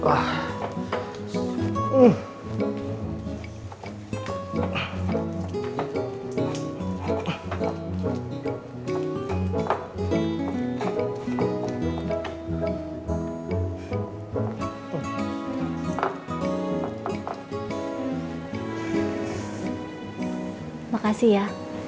terima kasih ya